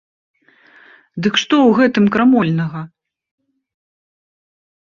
Дык што ў гэтым крамольнага?